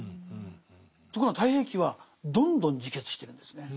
ところが「太平記」はどんどん自決してるんですね。